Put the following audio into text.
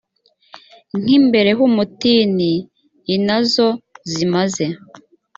nk imbere h umutini i na zo zimaze